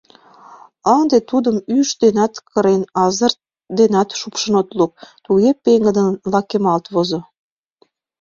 Ынде тудым ӱш денат кырен, азыр денат шупшын от лук — туге пеҥгыдын лакемалт возо.